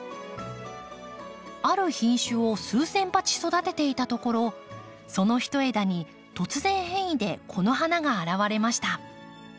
ある品種を数千鉢育てていたところその一枝に突然変異でこの花が現れました。